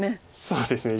そうですね。